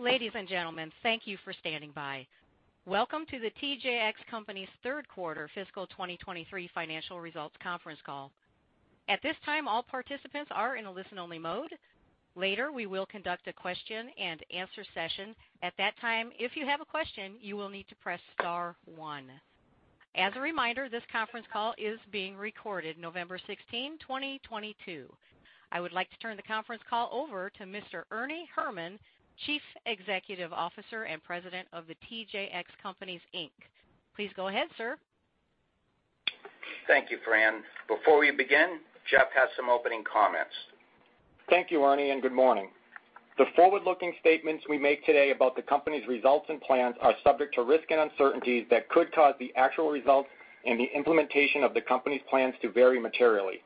Ladies and gentlemen, thank you for standing by. Welcome to the TJX Companies Third Quarter Fiscal 2023 Financial Results conference call. At this time, all participants are in a listen-only mode. Later, we will conduct a question-and-answer session. At that time, if you have a question, you will need to press star one. As a reminder, this conference call is being recorded November 16, 2022. I would like to turn the conference call over to Mr. Ernie Herrman, Chief Executive Officer and President of The TJX Companies, Inc. Please go ahead, sir. Thank you, Fran. Before we begin, Jeff has some opening comments. Thank you, Ernie, and good morning. The forward-looking statements we make today about the company's results and plans are subject to risks and uncertainties that could cause the actual results and the implementation of the company's plans to vary materially.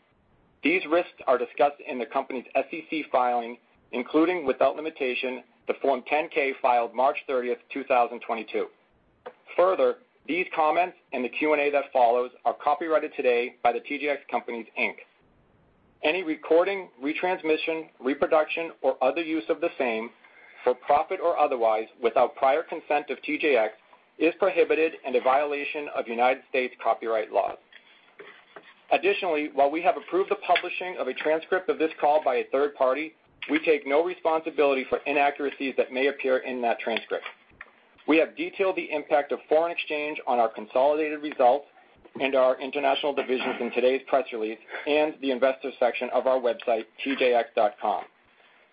These risks are discussed in the company's SEC filing, including, without limitation, the Form 10-K filed March 30, 2022. Further, these comments and the Q&A that follows are copyrighted today by The TJX Companies, Inc. Any recording, retransmission, reproduction, or other use of the same, for profit or otherwise, without prior consent of TJX, is prohibited and a violation of United States copyright laws. Additionally, while we have approved the publishing of a transcript of this call by a third party, we take no responsibility for inaccuracies that may appear in that transcript. We have detailed the impact of foreign exchange on our consolidated results and our international divisions in today's press release and the Investor section of our website, tjx.com.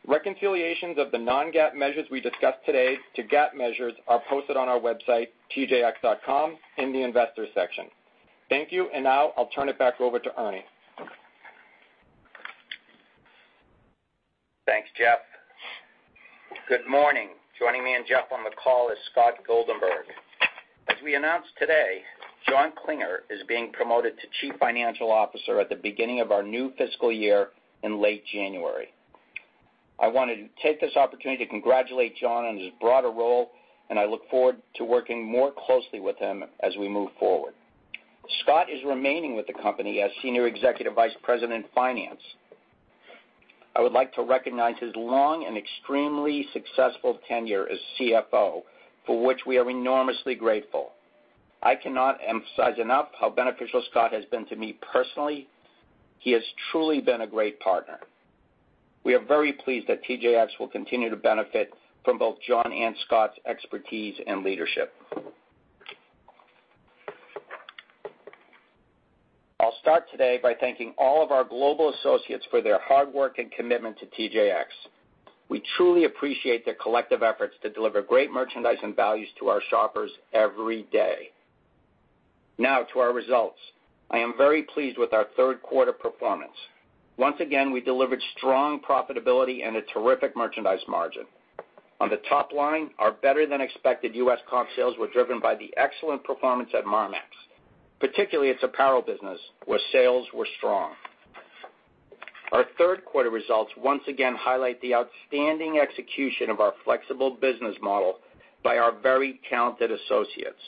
Reconciliations of the non-GAAP measures we discuss today to GAAP measures are posted on our website, tjx.com, in the Investor section. Thank you, and now I'll turn it back over to Ernie. Thanks, Jeff. Good morning. Joining me and Jeff on the call is Scott Goldenberg. As we announced today, John Klinger is being promoted to Chief Financial Officer at the beginning of our new fiscal year in late January. I want to take this opportunity to congratulate John on his broader role, and I look forward to working more closely with him as we move forward. Scott is remaining with the company as Senior Executive Vice President, Finance. I would like to recognize his long and extremely successful tenure as CFO, for which we are enormously grateful. I cannot emphasize enough how beneficial Scott has been to me personally. He has truly been a great partner. We are very pleased that TJX will continue to benefit from both John and Scott's expertise and leadership. I'll start today by thanking all of our global associates for their hard work and commitment to TJX. We truly appreciate their collective efforts to deliver great merchandise and values to our shoppers every day. Now to our results. I am very pleased with our third quarter performance. Once again, we delivered strong profitability and a terrific merchandise margin. On the top line, our better-than-expected U.S. comp sales were driven by the excellent performance at Marmaxx, particularly its apparel business, where sales were strong. Our third quarter results once again highlight the outstanding execution of our flexible business model by our very talented associates.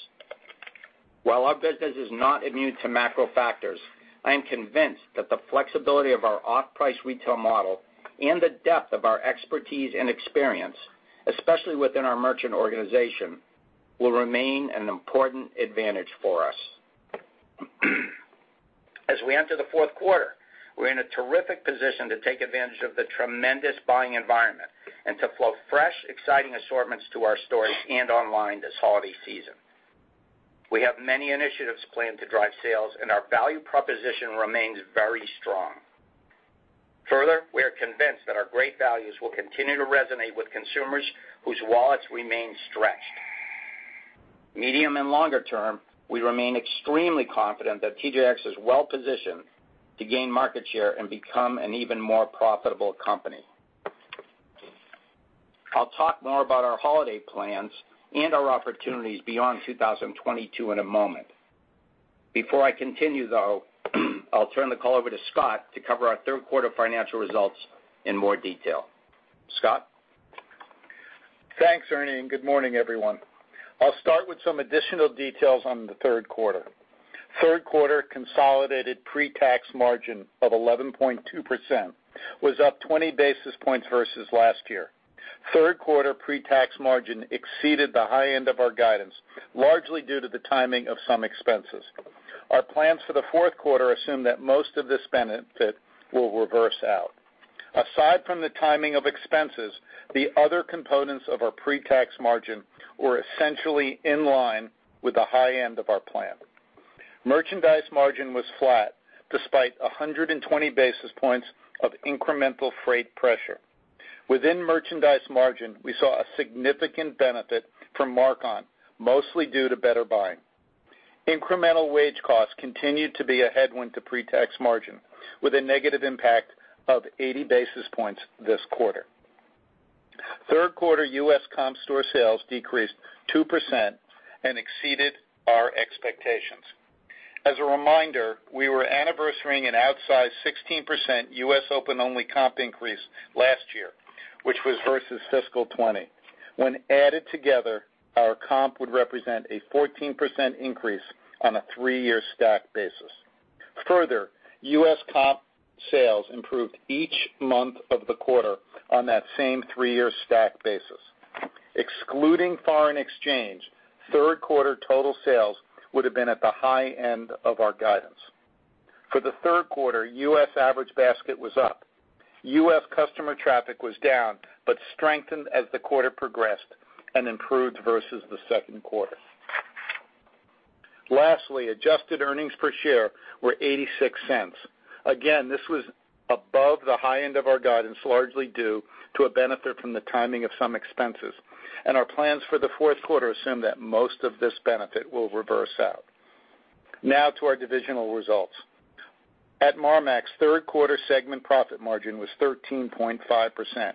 While our business is not immune to macro factors, I am convinced that the flexibility of our off-price retail model and the depth of our expertise and experience, especially within our merchant organization, will remain an important advantage for us. As we enter the fourth quarter, we're in a terrific position to take advantage of the tremendous buying environment and to flow fresh, exciting assortments to our stores and online this holiday season. We have many initiatives planned to drive sales, and our value proposition remains very strong. Further, we are convinced that our great values will continue to resonate with consumers whose wallets remain stretched. Medium and longer term, we remain extremely confident that TJX is well-positioned to gain market share and become an even more profitable company. I'll talk more about our holiday plans and our opportunities beyond 2022 in a moment. Before I continue, though, I'll turn the call over to Scott to cover our third quarter financial results in more detail. Scott? Thanks, Ernie, and good morning, everyone. I'll start with some additional details on the third quarter. Third quarter consolidated pretax margin of 11.2% was up 20 basis points versus last year. Third quarter pretax margin exceeded the high end of our guidance, largely due to the timing of some expenses. Our plans for the fourth quarter assume that most of this benefit will reverse out. Aside from the timing of expenses, the other components of our pretax margin were essentially in line with the high end of our plan. Merchandise margin was flat despite 120 basis points of incremental freight pressure. Within merchandise margin, we saw a significant benefit from mark-on, mostly due to better buying. Incremental wage costs continued to be a headwind to pretax margin, with a negative impact of 80 basis points this quarter. Third quarter US comp store sales decreased 2% and exceeded our expectations. As a reminder, we were anniversarying an outsized 16% US open-only comp increase last year, which was versus fiscal 2020. When added together, our comp would represent a 14% increase on a three-year stack basis. Further, U.S. comp sales improved each month of the quarter on that same three-year stack basis. Excluding foreign exchange, third quarter total sales would have been at the high end of our guidance. For the third quarter, U.S. average basket was up. U.S. customer traffic was down, but strengthened as the quarter progressed and improved versus the second quarter. Lastly, adjusted earnings per share were $0.86. Again, this was above the high end of our guidance, largely due to a benefit from the timing of some expenses. Our plans for the fourth quarter assume that most of this benefit will reverse out. Now to our divisional results. At Marmaxx, third quarter segment profit margin was 13.5%.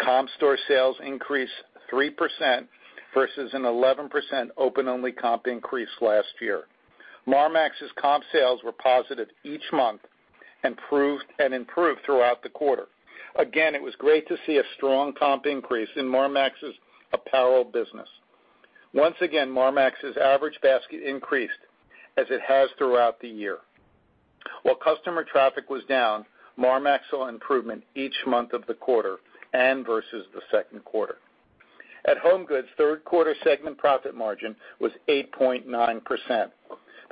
Comp store sales increased 3% versus an 11% open-only comp increase last year. Marmaxx's comp sales were positive each month and improved throughout the quarter. Again, it was great to see a strong comp increase in Marmaxx's apparel business. Once again, Marmaxx's average basket increased as it has throughout the year. While customer traffic was down, Marmaxx saw improvement each month of the quarter and versus the second quarter. At HomeGoods, third quarter segment profit margin was 8.9%.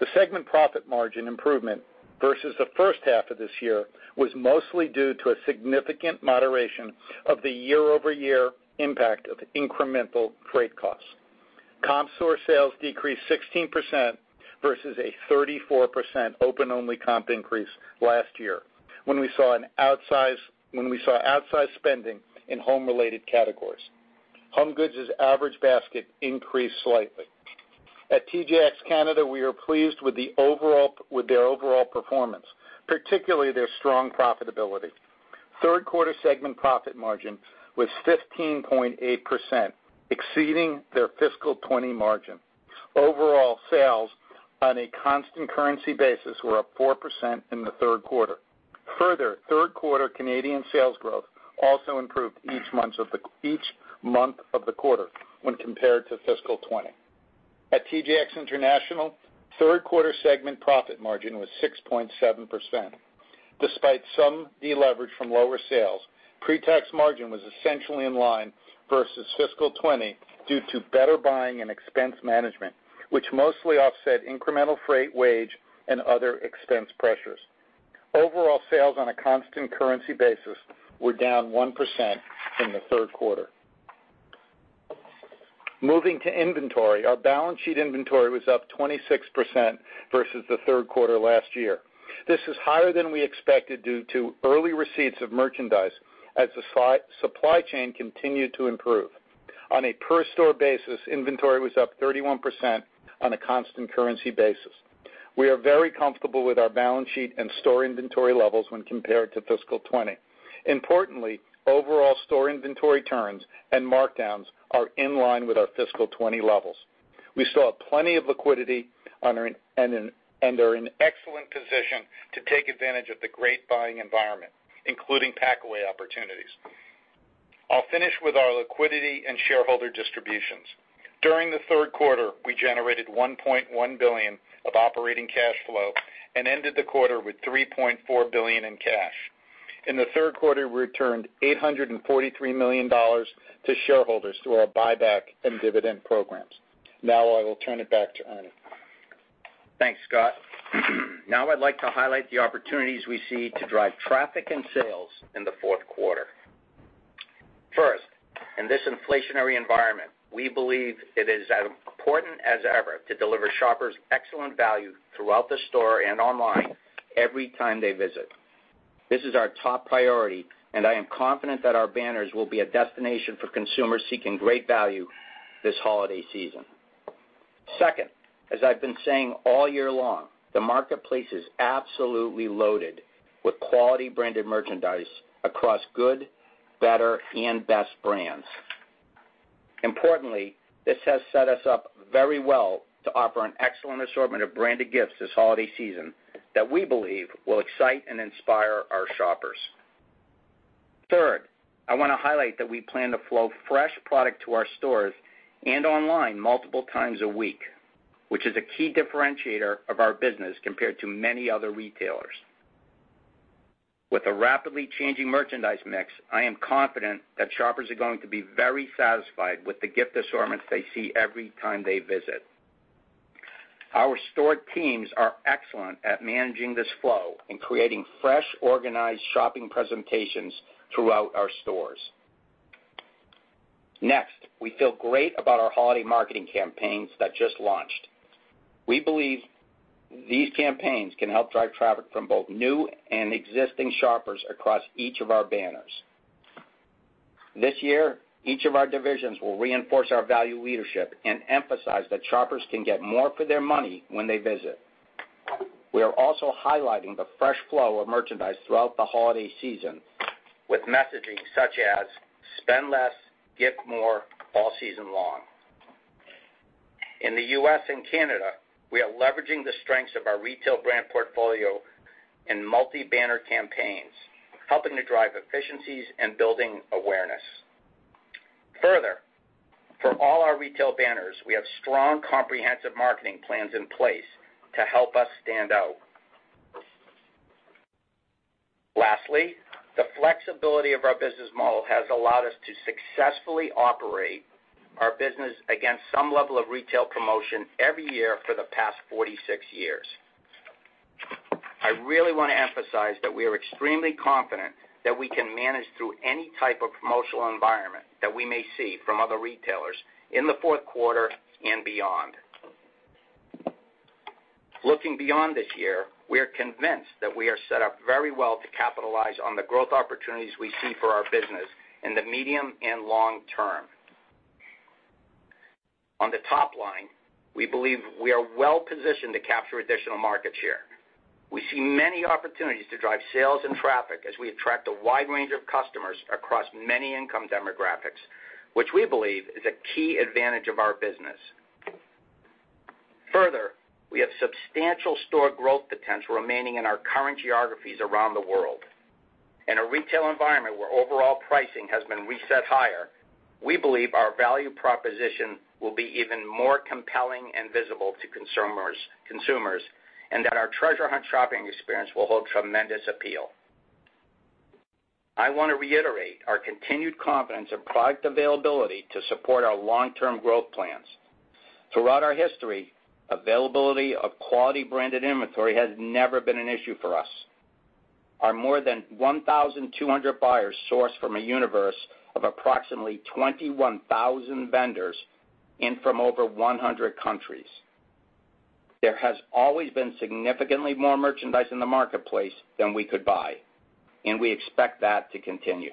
The segment profit margin improvement versus the first half of this year was mostly due to a significant moderation of the year-over-year impact of incremental freight costs. Comp store sales decreased 16% versus a 34% open-only comp increase last year when we saw outsize spending in home-related categories. HomeGoods' average basket increased slightly. At TJX Canada, we are pleased with their overall performance, particularly their strong profitability. Third quarter segment profit margin was 15.8%, exceeding their fiscal 2020 margin. Overall sales on a constant currency basis were up 4% in the third quarter. Further, third quarter Canadian sales growth also improved each month of the quarter when compared to fiscal 2020. At TJX International, third quarter segment profit margin was 6.7%. Despite some deleverage from lower sales, pretax margin was essentially in line versus fiscal 2020 due to better buying and expense management, which mostly offset incremental freight, wage, and other expense pressures. Overall sales on a constant currency basis were down 1% in the third quarter. Moving to inventory, our balance sheet inventory was up 26% versus the third quarter last year. This is higher than we expected due to early receipts of merchandise as the supply chain continued to improve. On a per store basis, inventory was up 31% on a constant currency basis. We are very comfortable with our balance sheet and store inventory levels when compared to fiscal 2020. Importantly, overall store inventory turns and markdowns are in line with our fiscal 2020 levels. We saw plenty of liquidity and are in excellent position to take advantage of the great buying environment, including packaway opportunities. I'll finish with our liquidity and shareholder distributions. During the third quarter, we generated $1.1 billion of operating cash flow and ended the quarter with $3.4 billion in cash. In the third quarter, we returned $843 million to shareholders through our buyback and dividend programs. Now I will turn it back to Ernie. Thanks, Scott. Now I'd like to highlight the opportunities we see to drive traffic and sales in the fourth quarter. First, in this inflationary environment, we believe it is as important as ever to deliver shoppers excellent value throughout the store and online every time they visit. This is our top priority, and I am confident that our banners will be a destination for consumers seeking great value this holiday season. Second, as I've been saying all year long, the marketplace is absolutely loaded with quality branded merchandise across good, better, and best brands. Importantly, this has set us up very well to offer an excellent assortment of branded gifts this holiday season that we believe will excite and inspire our shoppers. Third, I wanna highlight that we plan to flow fresh product to our stores and online multiple times a week, which is a key differentiator of our business compared to many other retailers. With a rapidly changing merchandise mix, I am confident that shoppers are going to be very satisfied with the gift assortments they see every time they visit. Our store teams are excellent at managing this flow and creating fresh, organized shopping presentations throughout our stores. Next, we feel great about our holiday marketing campaigns that just launched. We believe these campaigns can help drive traffic from both new and existing shoppers across each of our banners. This year, each of our divisions will reinforce our value leadership and emphasize that shoppers can get more for their money when they visit. We are also highlighting the fresh flow of merchandise throughout the holiday season with messaging such as, "Spend less, gift more, all season long." In the U.S. and Canada, we are leveraging the strengths of our retail brand portfolio in multi-banner campaigns, helping to drive efficiencies and building awareness. Further, for all our retail banners, we have strong comprehensive marketing plans in place to help us stand out. Lastly, the flexibility of our business model has allowed us to successfully operate our business against some level of retail promotion every year for the past 46 years. I really wanna emphasize that we are extremely confident that we can manage through any type of promotional environment that we may see from other retailers in the fourth quarter and beyond. Looking beyond this year, we are convinced that we are set up very well to capitalize on the growth opportunities we see for our business in the medium and long term. On the top line, we believe we are well positioned to capture additional market share. We see many opportunities to drive sales and traffic as we attract a wide range of customers across many income demographics, which we believe is a key advantage of our business. Further, we have substantial store growth potential remaining in our current geographies around the world. In a retail environment where overall pricing has been reset higher, we believe our value proposition will be even more compelling and visible to consumers, and that our treasure hunt shopping experience will hold tremendous appeal. I wanna reiterate our continued confidence in product availability to support our long-term growth plans. Throughout our history, availability of quality branded inventory has never been an issue for us. Our more than 1,200 buyers source from a universe of approximately 21,000 vendors and from over 100 countries. There has always been significantly more merchandise in the marketplace than we could buy, and we expect that to continue.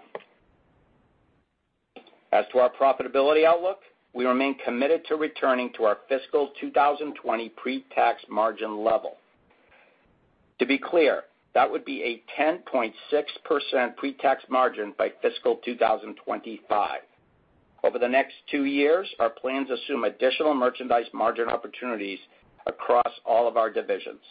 As to our profitability outlook, we remain committed to returning to our fiscal 2020 pretax margin level. To be clear, that would be a 10.6% pretax margin by fiscal 2025. Over the next two years, our plans assume additional merchandise margin opportunities across all of our divisions.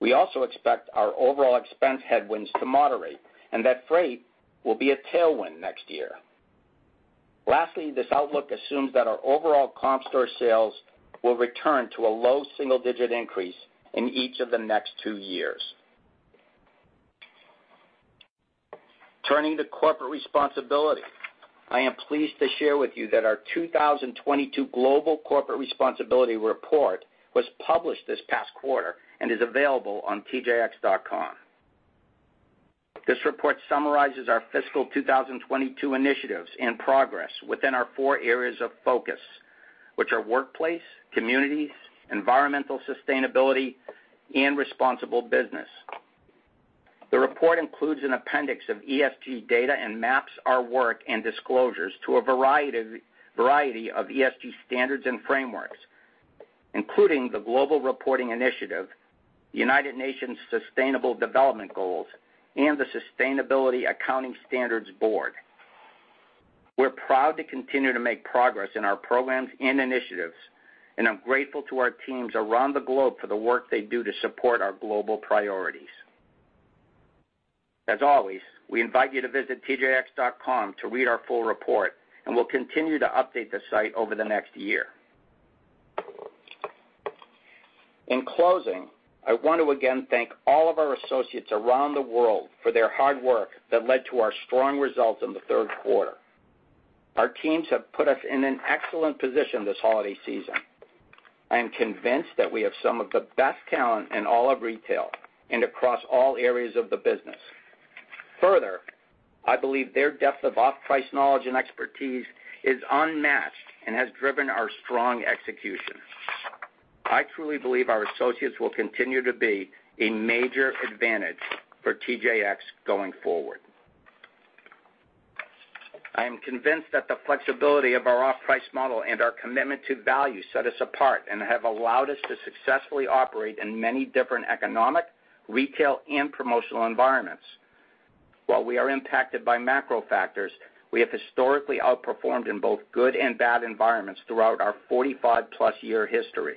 We also expect our overall expense headwinds to moderate, and that freight will be a tailwind next year. Lastly, this outlook assumes that our overall comp store sales will return to a low single-digit increase in each of the next two years. Turning to corporate responsibility, I am pleased to share with you that our 2022 global corporate responsibility report was published this past quarter and is available on tjx.com. This report summarizes our fiscal 2022 initiatives and progress within our four areas of focus, which are workplace, communities, environmental sustainability, and responsible business. The report includes an appendix of ESG data and maps our work and disclosures to a variety of ESG standards and frameworks, including the Global Reporting Initiative, United Nations Sustainable Development Goals, and the Sustainability Accounting Standards Board. We're proud to continue to make progress in our programs and initiatives, and I'm grateful to our teams around the globe for the work they do to support our global priorities. As always, we invite you to visit tjx.com to read our full report, and we'll continue to update the site over the next year. In closing, I want to again thank all of our associates around the world for their hard work that led to our strong results in the third quarter. Our teams have put us in an excellent position this holiday season. I am convinced that we have some of the best talent in all of retail and across all areas of the business. Further, I believe their depth of off-price knowledge and expertise is unmatched and has driven our strong execution. I truly believe our associates will continue to be a major advantage for TJX going forward. I am convinced that the flexibility of our off-price model and our commitment to value set us apart and have allowed us to successfully operate in many different economic, retail, and promotional environments. While we are impacted by macro factors, we have historically outperformed in both good and bad environments throughout our 45-plus-year history.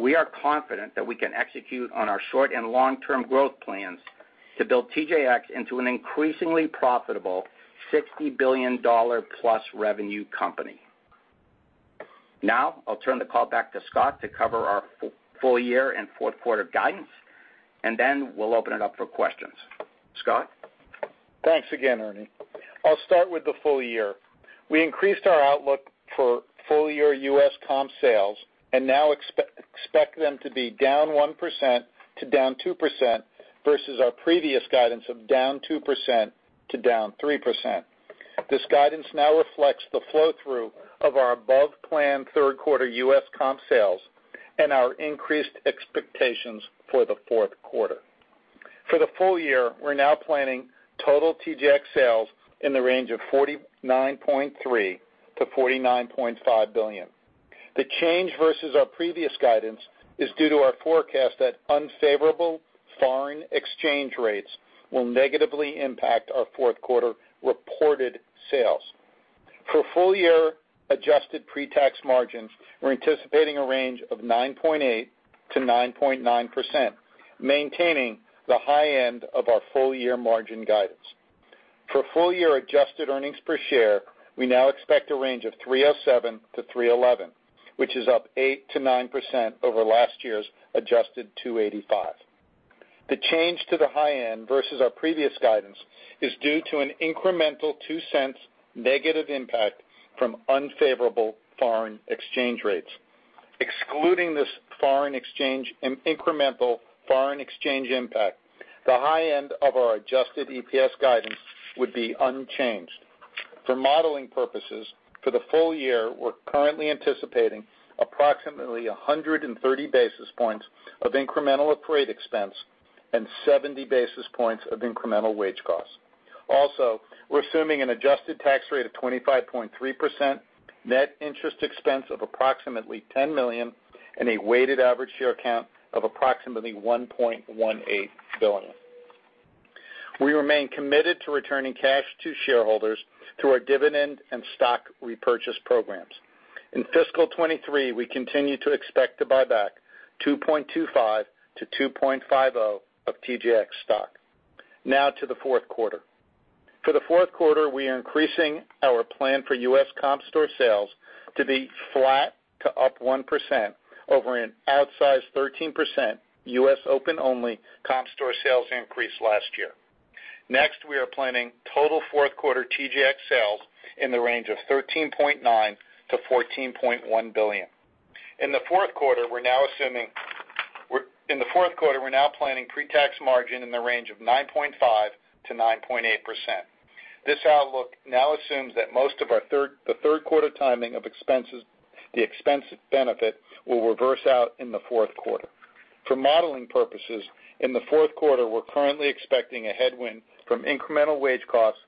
We are confident that we can execute on our short and long-term growth plans to build TJX into an increasingly profitable $60 billion-plus revenue company. Now, I'll turn the call back to Scott to cover our full year and fourth quarter guidance, and then we'll open it up for questions. Scott? Thanks again, Ernie. I'll start with the full year. We increased our outlook for full-year U.S. comp sales and now expect them to be down 1% to down 2% versus our previous guidance of down 2% to down 3%. This guidance now reflects the flow-through of our above-plan third quarter U.S. comp sales and our increased expectations for the fourth quarter. For the full year, we're now planning total TJX sales in the range of $49.3 billion-$49.5 billion. The change versus our previous guidance is due to our forecast that unfavorable foreign exchange rates will negatively impact our fourth quarter reported sales. For full year adjusted pretax margins, we're anticipating a range of 9.8%-9.9%, maintaining the high end of our full year margin guidance. For full year adjusted earnings per share, we now expect a range of $3.07-$3.11, which is up 8%-9% over last year's adjusted $2.85. The change to the high end versus our previous guidance is due to an incremental $0.02 negative impact from unfavorable foreign exchange rates. Excluding this incremental foreign exchange impact, the high end of our adjusted EPS guidance would be unchanged. For modeling purposes, for the full year, we're currently anticipating approximately 130 basis points of incremental freight expense and 70 basis points of incremental wage costs. Also, we're assuming an adjusted tax rate of 25.3%, net interest expense of approximately $10 million, and a weighted average share count of approximately 1.18 billion. We remain committed to returning cash to shareholders through our dividend and stock repurchase programs. In fiscal 2023, we continue to expect to buy back $2.25 billion-$2.5 billion of TJX stock. Now to the fourth quarter. For the fourth quarter, we are increasing our plan for US comp store sales to be flat to up 1% over an outsized 13% US open-only comp store sales increase last year. Next, we are planning total fourth quarter TJX sales in the range of $13.9 billion-$14.1 billion. In the fourth quarter, we're now planning pretax margin in the range of 9.5%-9.8%. This outlook now assumes that most of our third quarter timing of expenses, the expense benefit will reverse out in the fourth quarter. For modeling purposes, in the fourth quarter, we're currently expecting a headwind from incremental wage costs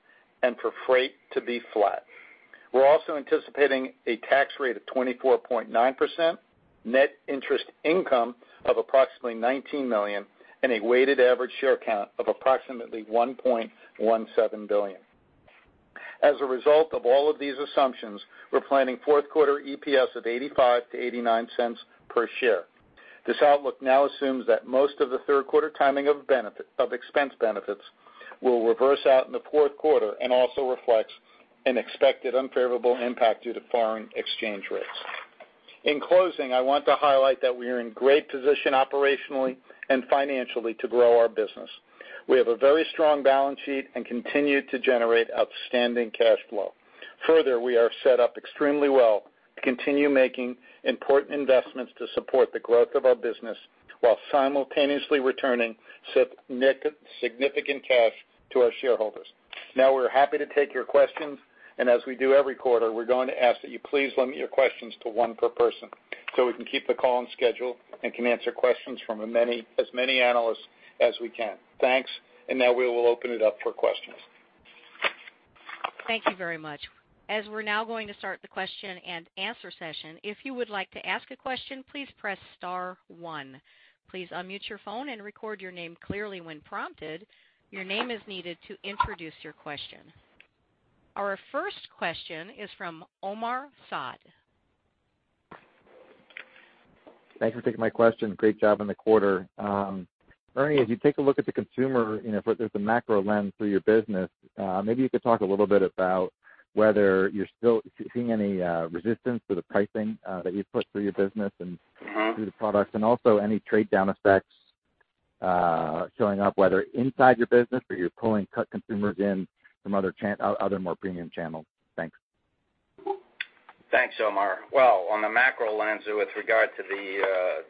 and for freight to be flat. We're also anticipating a tax rate of 24.9%, net interest income of approximately $19 million, and a weighted average share count of approximately 1.17 billion. As a result of all of these assumptions, we're planning fourth quarter EPS of $0.85-$0.89 per share. This outlook now assumes that most of the third quarter timing of expense benefits will reverse out in the fourth quarter and also reflects an expected unfavorable impact due to foreign exchange rates. In closing, I want to highlight that we are in great position operationally and financially to grow our business. We have a very strong balance sheet and continue to generate outstanding cash flow. Further, we are set up extremely well to continue making important investments to support the growth of our business while simultaneously returning significant cash to our shareholders. Now, we're happy to take your questions, and as we do every quarter, we're going to ask that you please limit your questions to one per person, so we can keep the call on schedule and can answer questions from as many analysts as we can. Thanks. Now we will open it up for questions. Thank you very much. As we're now going to start the question and answer session, if you would like to ask a question, please press star one. Please unmute your phone and record your name clearly when prompted. Your name is needed to introduce your question. Our first question is from Omar Saad. Thanks for taking my question. Great job in the quarter. Ernie, as you take a look at the consumer, you know, there's a macro lens through your business, maybe you could talk a little bit about whether you're still seeing any resistance to the pricing that you've put through your business and. Mm-hmm. through the products, and also any trade-down effects showing up, whether inside your business or you're pulling cost-conscious consumers in from other more premium channels. Thanks. Thanks, Omar. Well, on the macro lens with regard to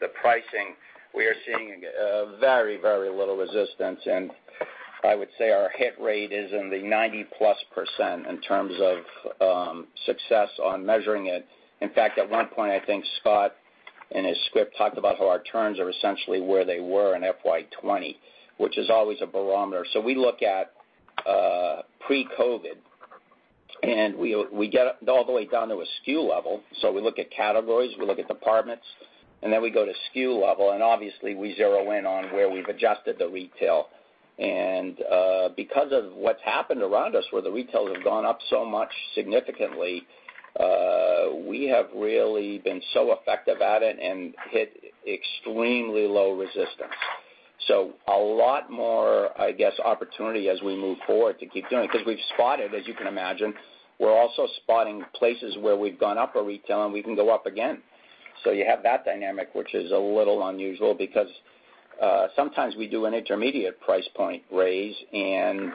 the pricing, we are seeing very, very little resistance, and I would say our hit rate is in the 90%+ in terms of success on measuring it. In fact, at one point, I think Scott, in his script, talked about how our turns are essentially where they were in FY 2020, which is always a barometer. We look at pre-COVID, and we get all the way down to a SKU level. We look at categories, we look at departments, and then we go to SKU level, and obviously, we zero in on where we've adjusted the retail. Because of what's happened around us, where the retails have gone up so much significantly, we have really been so effective at it and hit extremely low resistance. A lot more, I guess, opportunity as we move forward to keep doing it because we've spotted, as you can imagine, we're also spotting places where we've gone up in retail, and we can go up again. You have that dynamic, which is a little unusual because sometimes we do an intermediate price point raise and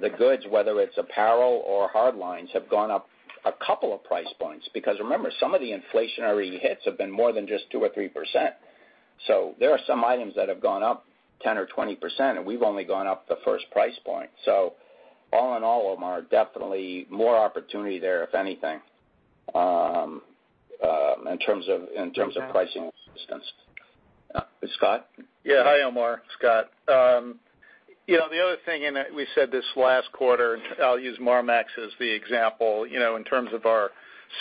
the goods, whether it's apparel or hard lines, have gone up a couple of price points. Because remember, some of the inflationary hits have been more than just 2% or 3%. There are some items that have gone up 10% or 20%, and we've only gone up the first price point. All in all, Omar, definitely more opportunity there, if anything, in terms of pricing assistance. Scott? Yeah. Hi, Omar. Scott. You know, the other thing, we said this last quarter. I'll use Marmaxx as the example, you know, in terms of our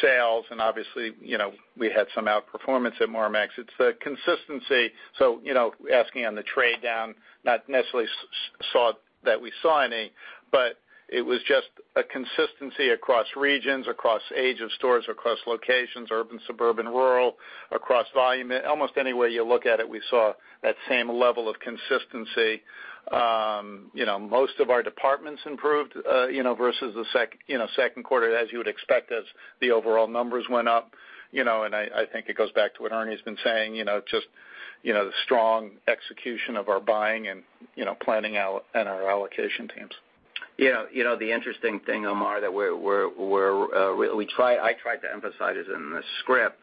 sales and obviously, you know, we had some outperformance at Marmaxx. It's the consistency. You know, asking on the trade-down, not necessarily that we saw any, but it was just a consistency across regions, across age of stores, across locations, urban, suburban, rural, across volume. Almost any way you look at it, we saw that same level of consistency. You know, most of our departments improved, you know, versus the second quarter as you would expect as the overall numbers went up. You know, I think it goes back to what Ernie's been saying, you know, just, you know, the strong execution of our buying and, you know, planning out and our allocation teams. Yeah. You know, the interesting thing, Omar, that I tried to emphasize this in the script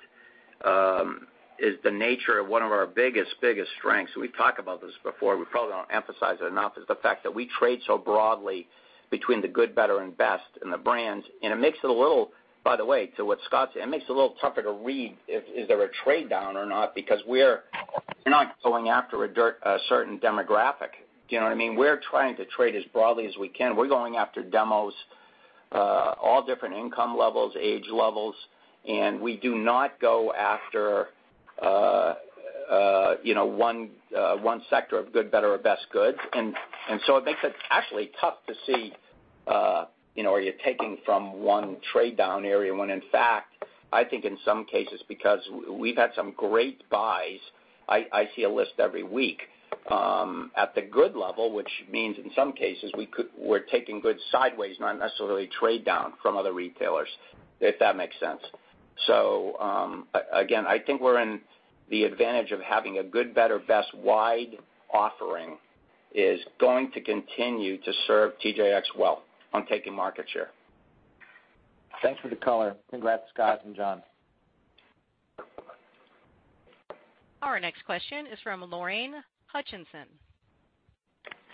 is the nature of one of our biggest strengths. We've talked about this before. We probably don't emphasize it enough. It is the fact that we trade so broadly between the good, better, and best in the brands. It makes it a little, by the way, to what Scott said, tougher to read if there's a trade-down or not because we're not going after a certain demographic. Do you know what I mean? We're trying to trade as broadly as we can. We're going after demos, all different income levels, age levels, and we do not go after, you know, one sector of good, better, or best goods. It makes it actually tough to see, you know, are you taking from one trade-down area when in fact, I think in some cases, because we've had some great buys, I see a list every week at the good level, which means in some cases we're taking goods sideways, not necessarily trade-down from other retailers, if that makes sense. Again, I think we're in the advantage of having a good, better, best wide offering is going to continue to serve TJX well on taking market share. Thanks for the color. Congrats, Scott and John. Our next question is from Lorraine Hutchinson.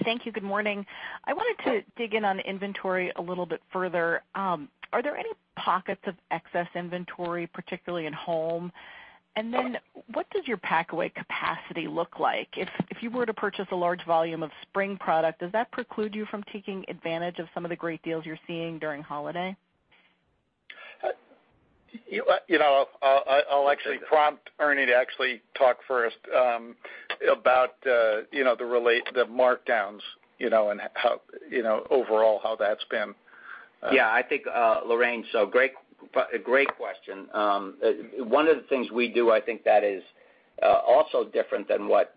Thank you. Good morning. I wanted to dig in on inventory a little bit further. Are there any pockets of excess inventory, particularly in home? What does your packaway capacity look like? If you were to purchase a large volume of spring product, does that preclude you from taking advantage of some of the great deals you're seeing during holiday? You know, I'll actually prompt Ernie to actually talk first about you know the markdowns you know and how you know overall how that's been. Yeah, I think, Lorraine, great question. One of the things we do, I think that is also different than what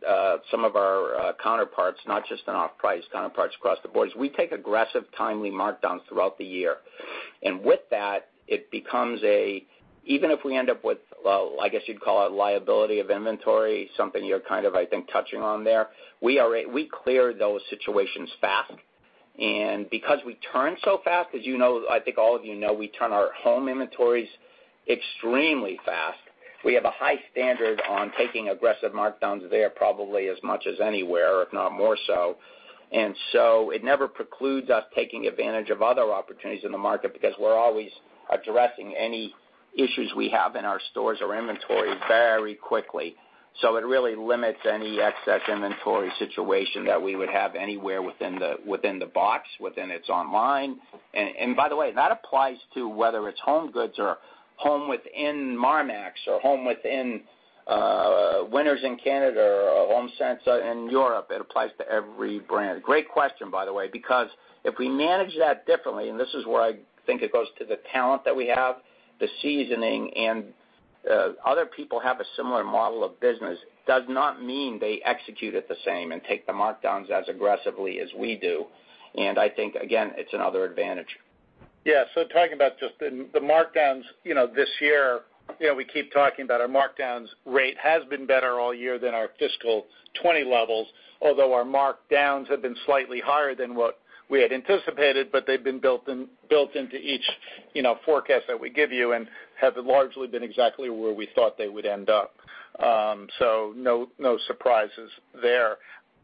some of our counterparts, not just in off-price counterparts across the board, is we take aggressive, timely markdowns throughout the year. With that, it becomes even if we end up with, well, I guess you'd call it liability of inventory, something you're kind of, I think, touching on there, we clear those situations fast. Because we turn so fast, as you know, I think all of you know, we turn our home inventories extremely fast. We have a high standard on taking aggressive markdowns there probably as much as anywhere, if not more so. It never precludes us taking advantage of other opportunities in the market because we're always addressing any issues we have in our stores or inventory very quickly. It really limits any excess inventory situation that we would have anywhere within the box, within its online. By the way, that applies to whether it's HomeGoods or home within Marmaxx or home within Winners in Canada or Homesense in Europe. It applies to every brand. Great question, by the way, because if we manage that differently, and this is where I think it goes to the talent that we have, the seasoning and other people have a similar model of business, does not mean they execute it the same and take the markdowns as aggressively as we do. I think again, it's another advantage. Yeah. Talking about just the markdowns, you know, this year, you know, we keep talking about our markdowns rate has been better all year than our fiscal 2020 levels, although our markdowns have been slightly higher than what we had anticipated, but they've been built into each, you know, forecast that we give you and have largely been exactly where we thought they would end up. No surprises there.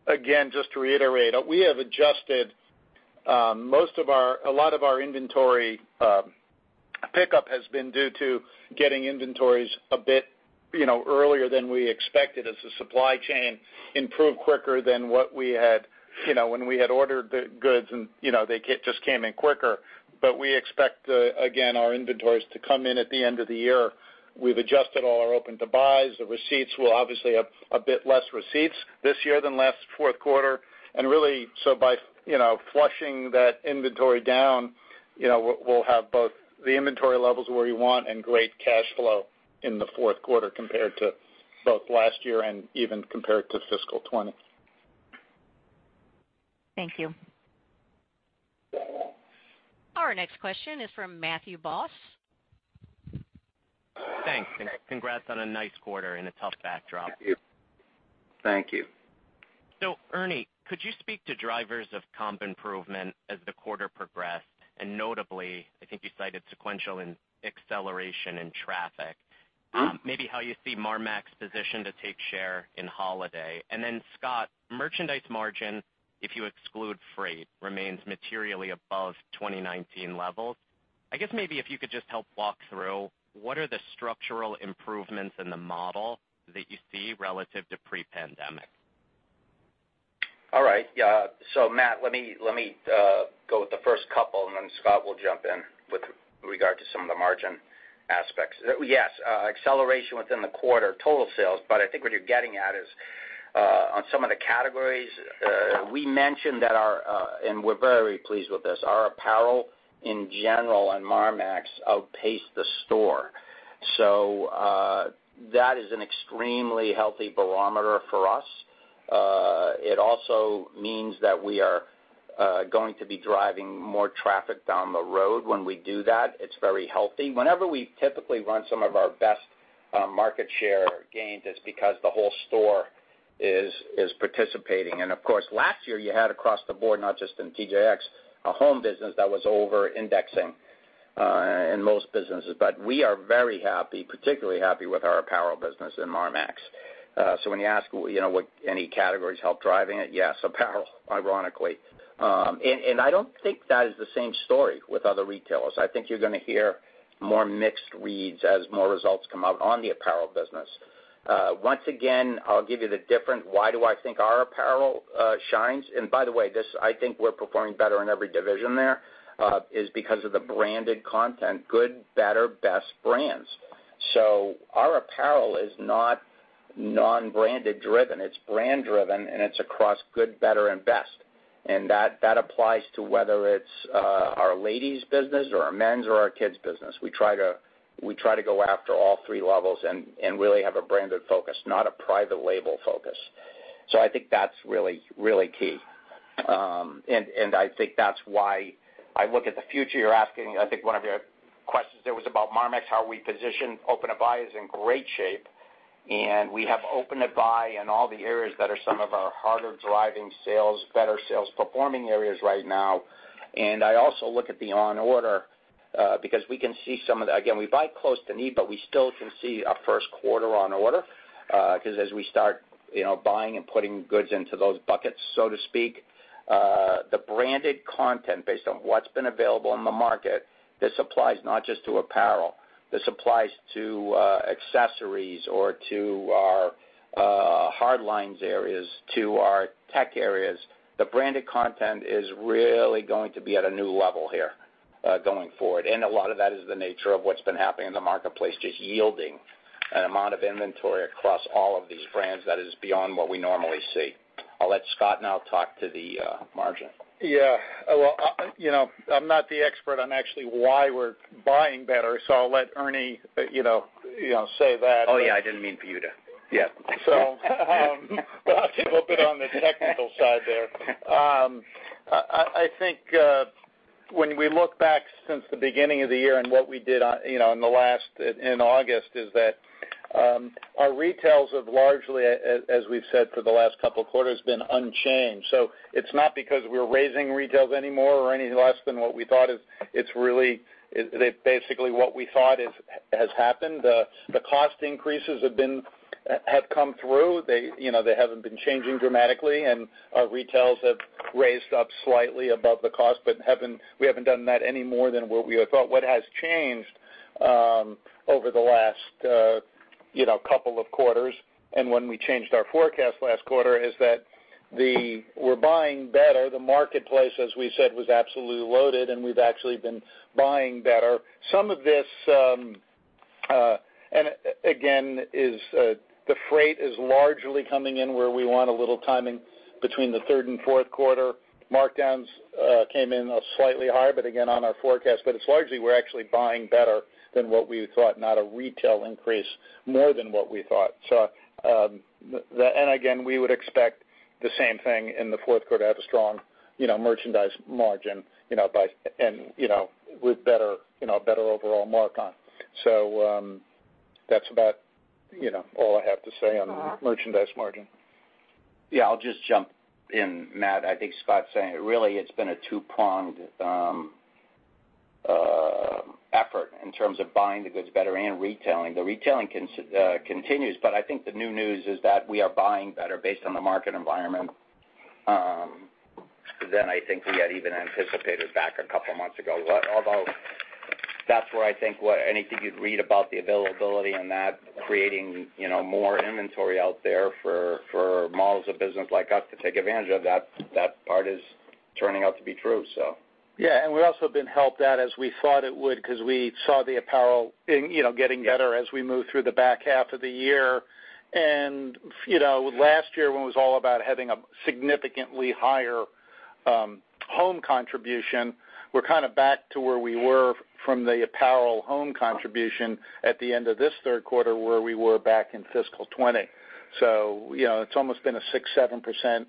Again, just to reiterate, we have adjusted a lot of our inventory pickup has been due to getting inventories a bit, you know, earlier than we expected as the supply chain improved quicker than what we had, you know, when we had ordered the goods and, you know, they just came in quicker. We expect, again, our inventories to come in at the end of the year. We've adjusted all our open-to-buys. The receipts will obviously have a bit less receipts this year than last fourth quarter. Really, by, you know, flushing that inventory down, you know, we'll have both the inventory levels where we want and great cash flow in the fourth quarter compared to both last year and even compared to fiscal 2020. Thank you. Our next question is from Matthew Boss. Thanks, and congrats on a nice quarter in a tough backdrop. Thank you. Thank you. Ernie, could you speak to drivers of comp improvement as the quarter progressed? Notably, I think you cited sequential acceleration in traffic. Maybe how you see Marmaxx positioned to take share in holiday. Then Scott, merchandise margin, if you exclude freight, remains materially above 2019 levels. I guess maybe if you could just help walk through what are the structural improvements in the model that you see relative to pre-pandemic? Right. Yeah. Matt, let me go with the first couple, and then Scott will jump in with regard to some of the margin aspects. Yes, acceleration within the quarter, total sales, but I think what you're getting at is on some of the categories, we mentioned that our, and we're very pleased with this, our apparel in general and Marmaxx outpaced the store. That is an extremely healthy barometer for us. It also means that we are going to be driving more traffic down the road when we do that. It's very healthy. Whenever we typically run some of our best market share gains is because the whole store is participating. Of course, last year you had across the board, not just in TJX, a home business that was over-indexing in most businesses. We are very happy, particularly happy with our apparel business in Marmaxx. So when you ask, you know, what any categories help driving it? Yes, apparel, ironically. I don't think that is the same story with other retailers. I think you're gonna hear more mixed reads as more results come out on the apparel business. Once again, I'll give you the different why do I think our apparel shines. By the way, this, I think we're performing better in every division there is because of the branded content, good, better, best brands. Our apparel is not non-branded driven. It's brand driven, and it's across good, better, and best. That applies to whether it's our ladies business or our men's or our kids business. We try to go after all three levels and really have a branded focus, not a private label focus. I think that's really key. I think that's why I look at the future. You're asking, I think one of your questions there was about Marmaxx. How we position open-to-buy is in great shape. We have open-to-buy in all the areas that are some of our higher driving sales, better sales performing areas right now. I also look at the on order, because we can see some of the. Again, we buy close to need, but we still can see a first quarter on order. 'Cause as we start, you know, buying and putting goods into those buckets, so to speak, the branded content based on what's been available in the market, this applies not just to apparel. This applies to accessories or to our hard lines areas, to our tech areas. The branded content is really going to be at a new level here, going forward. A lot of that is the nature of what's been happening in the marketplace, just yielding an amount of inventory across all of these brands that is beyond what we normally see. I'll let Scott now talk to the margin. Yeah. Well, you know, I'm not the expert on actually why we're buying better, so I'll let Ernie, you know, say that. Oh, yeah, I didn't mean for you to. Yeah. Well, I'll speak a bit on the technical side there. I think when we look back since the beginning of the year and what we did on, you know, in the last, in August, is that our retails have largely, as we've said for the last couple of quarters, been unchanged. It's not because we're raising retails any more or any less than what we thought. It's really basically what we thought has happened. The cost increases have come through. They, you know, they haven't been changing dramatically and our retails have raised up slightly above the cost, but we haven't done that any more than what we had thought. What has changed over the last you know couple of quarters and when we changed our forecast last quarter is that we're buying better. The marketplace, as we said, was absolutely loaded, and we've actually been buying better. Some of this and again is the freight is largely coming in where we want a little timing between the third and fourth quarter. Markdowns came in slightly higher, but again, on our forecast. It's largely we're actually buying better than what we thought, not a real increase more than what we thought. We would expect the same thing in the fourth quarter to have a strong you know merchandise margin you know buying and you know with better you know better overall mark-on. That's about, you know, all I have to say on the merchandise margin. Yeah. I'll just jump in, Matt. I think Scott's saying it. Really, it's been a two-pronged effort in terms of buying the goods better and retailing. The retailing continues, but I think the new news is that we are buying better based on the market environment than I think we had even anticipated back a couple of months ago. Although that's where I think what anything you'd read about the availability and that creating, you know, more inventory out there for models of business like us to take advantage of, that part is turning out to be true, so. Yeah. We've also been helped out as we thought it would because we saw the apparel in, you know, getting better as we move through the back half of the year. You know, last year when it was all about having a significantly higher home contribution, we're kind of back to where we were from the apparel home contribution at the end of this third quarter, where we were back in fiscal 2020. You know, it's almost been a 6%-7%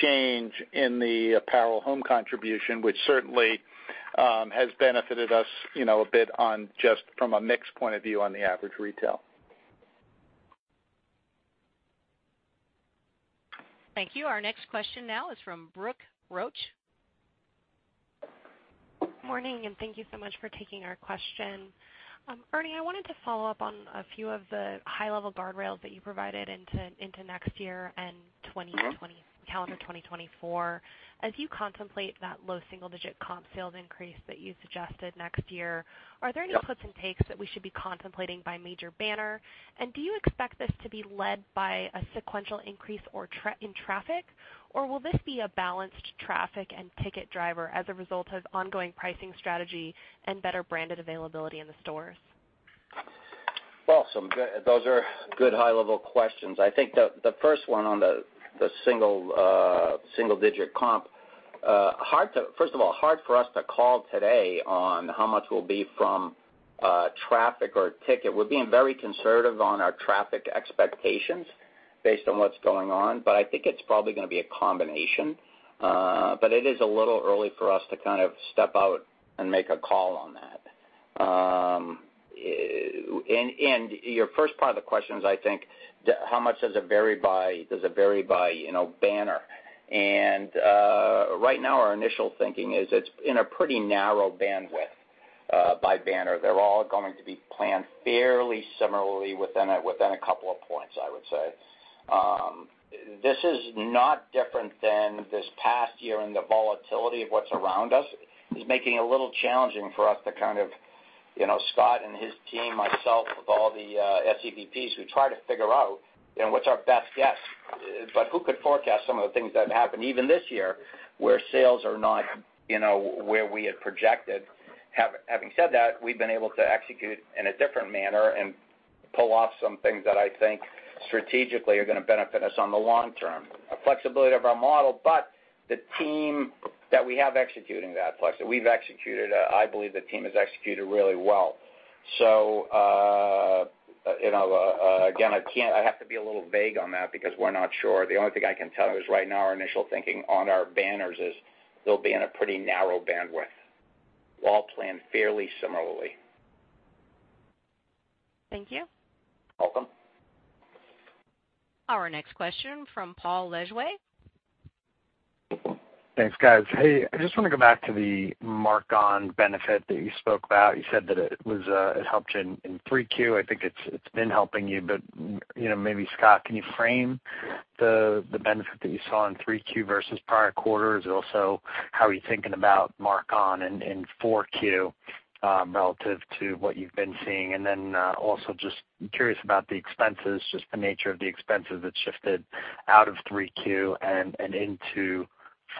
change in the apparel home contribution, which certainly has benefited us, you know, a bit on just from a mix point of view on the average retail. Thank you. Our next question now is from Brooke Roach. Morning, thank you so much for taking our question. Ernie, I wanted to follow up on a few of the high-level guardrails that you provided into next year and calendar 2024. As you contemplate that low single-digit comp sales increase that you suggested next year, are there any color and takes that we should be contemplating by major banner? Do you expect this to be led by a sequential increase in traffic, or will this be a balanced traffic and ticket driver as a result of ongoing pricing strategy and better branded availability in the stores? Well, those are good high-level questions. I think the first one on the single-digit comp, first of all, hard for us to call today on how much will be from traffic or ticket. We're being very conservative on our traffic expectations based on what's going on, but I think it's probably gonna be a combination. It is a little early for us to kind of step out and make a call on that. Your first part of the question is, I think, how much does it vary by, you know, banner. Right now, our initial thinking is it's in a pretty narrow bandwidth by banner. They're all going to be planned fairly similarly within a couple of points, I would say. This is not different than this past year, and the volatility of what's around us is making it a little challenging for us to kind of, you know, Scott and his team, myself, with all the SEVPs, we try to figure out, you know, what's our best guess. Who could forecast some of the things that happened even this year, where sales are not, you know, where we had projected. Having said that, we've been able to execute in a different manner and pull off some things that I think strategically are gonna benefit us on the long term. A flexibility of our model, but the team that we have executing that flex, that we've executed, I believe the team has executed really well. You know, again, I can't. I have to be a little vague on that because we're not sure. The only thing I can tell you is right now our initial thinking on our banners is they'll be in a pretty narrow bandwidth, all planned fairly similarly. Thank you. Welcome. Our next question from Paul Lejuez. Thanks, guys. Hey, I just wanna go back to the mark-on benefit that you spoke about. You said that it helped you in 3Q. I think it's been helping you, but you know, maybe Scott, can you frame the benefit that you saw in 3Q versus prior quarters? Also, how are you thinking about mark-on in 4Q relative to what you've been seeing? And then also just curious about the expenses, just the nature of the expenses that shifted out of 3Q and into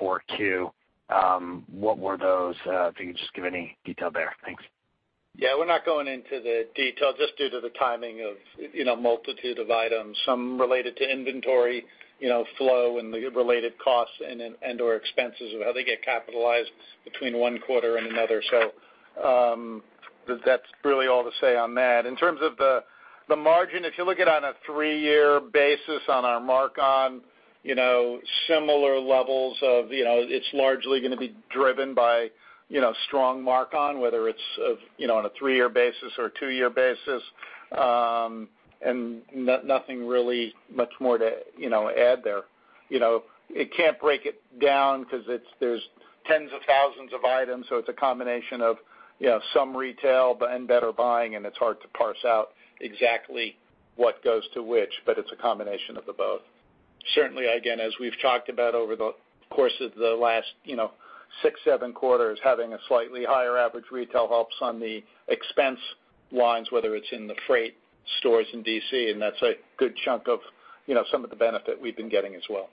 4Q. What were those? If you could just give any detail there. Thanks. Yeah, we're not going into the detail just due to the timing of, you know, multitude of items, some related to inventory, you know, flow and the related costs and in- and/or expenses of how they get capitalized between one quarter and another. That's really all to say on that. In terms of the margin, if you look at it on a three-year basis on our mark-on, you know, similar levels of, you know, it's largely gonna be driven by, you know, strong mark-on whether it's of, you know, on a three-year basis or a two-year basis. Nothing really much more to, you know, add there. You know, it can't break it down because there's tens of thousands of items, so it's a combination of, you know, some retail and better buying, and it's hard to parse out exactly what goes to which, but it's a combination of the both. Certainly, again, as we've talked about over the course of the last, you know, six, seven quarters, having a slightly higher average retail helps on the expense lines, whether it's in the freight stores in DC, and that's a good chunk of, you know, some of the benefit we've been getting as well.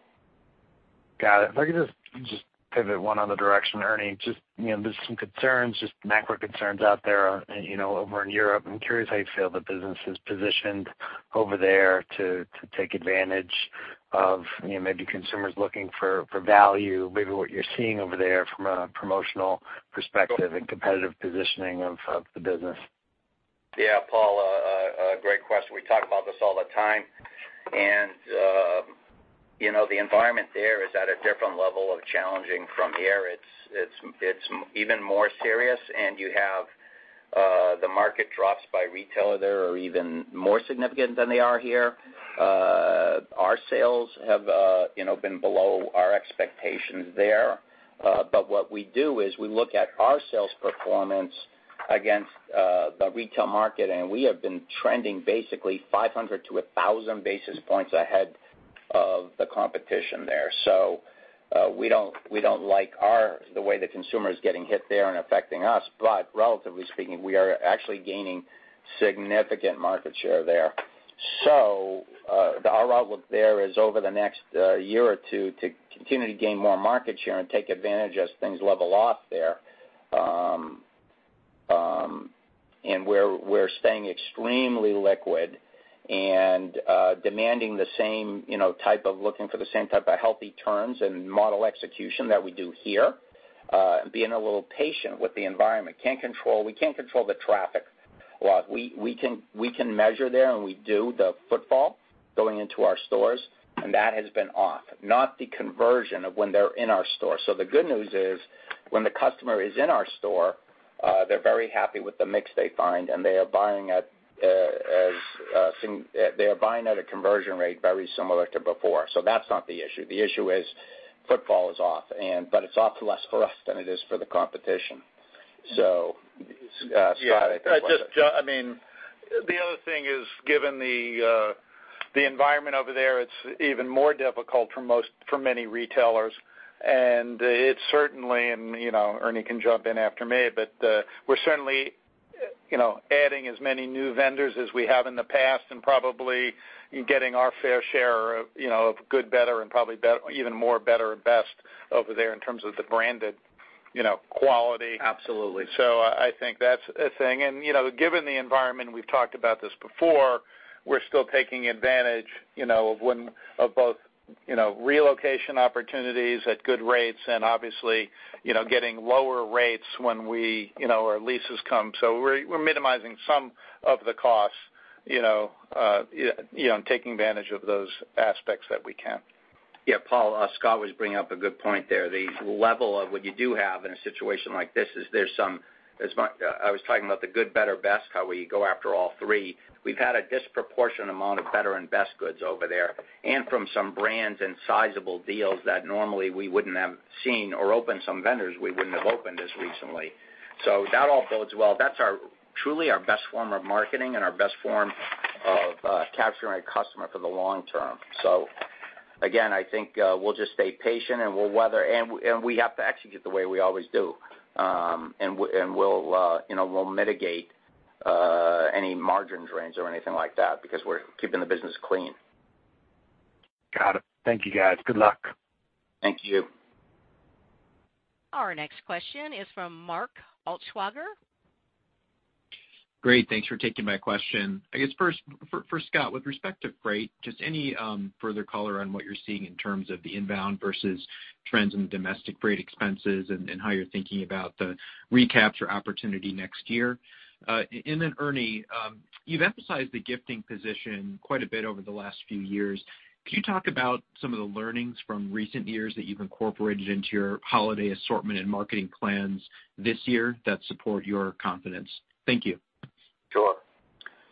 Got it. If I could just pivot one other direction, Ernie. Just, you know, there's some concerns, just macro concerns out there, you know, over in Europe. I'm curious how you feel the business is positioned over there to take advantage of, you know, maybe consumers looking for value, maybe what you're seeing over there from a promotional perspective and competitive positioning of the business. Yeah. Paul, great question. We talk about this all the time. You know, the environment there is at a different level of challenging from here. It's even more serious, and you have the market drops by retailers there are even more significant than they are here. Our sales have, you know, been below our expectations there. What we do is we look at our sales performance against the retail market, and we have been trending basically 500 basis points-1,000 basis points ahead of the competition there. We don't like the way the consumer is getting hit there and affecting us. Relatively speaking, we are actually gaining significant market share there. Our outlook there is over the next year or two to continue to gain more market share and take advantage as things level off there. We're staying extremely liquid and demanding the same, you know, type of looking for the same type of healthy terms and model execution that we do here, and being a little patient with the environment. We can't control the traffic. What we can measure there, and we do the footfall going into our stores, and that has been off, not the conversion of when they're in our store. The good news is when the customer is in our store, they're very happy with the mix they find, and they are buying at a conversion rate very similar to before. That's not the issue. The issue is footfall is off, but it's off less for us than it is for the competition. Scott, I think- Yeah. I just, I mean, the other thing is given the environment over there, it's even more difficult for many retailers. It certainly, you know, Ernie can jump in after me, but we're certainly, you know, adding as many new vendors as we have in the past and probably getting our fair share of, you know, good, better, and probably even more better and best over there in terms of the branded, you know, quality. Absolutely. I think that's a thing. You know, given the environment, we've talked about this before, we're still taking advantage, you know, of both, you know, relocation opportunities at good rates and obviously, you know, getting lower rates when our leases come. You know, we're minimizing some of the costs, you know, and taking advantage of those aspects that we can. Yeah, Paul, Scott was bringing up a good point there. The level of what you do have in a situation like this is there's some I was talking about the good, better, best, how we go after all three. We've had a disproportionate amount of better and best goods over there and from some brands and sizable deals that normally we wouldn't have seen or opened some vendors we wouldn't have opened as recently. That all bodes well. That's truly our best form of marketing and our best form of capturing a customer for the long term. Again, I think we'll just stay patient and we'll weather and we have to execute the way we always do. We'll, you know, mitigate any margin drains or anything like that because we're keeping the business clean. Got it. Thank you, guys. Good luck. Thank you. Our next question is from Mark Altschwager. Great. Thanks for taking my question. I guess first, for Scott, with respect to freight, just any further color on what you're seeing in terms of the inbound versus trends in domestic freight expenses and how you're thinking about the recapture opportunity next year? Then Ernie, you've emphasized the gifting position quite a bit over the last few years. Can you talk about some of the learnings from recent years that you've incorporated into your holiday assortment and marketing plans this year that support your confidence? Thank you. Sure.